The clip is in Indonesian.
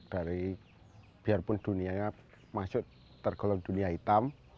dari biarpun dunianya masuk tergolong dunia hitam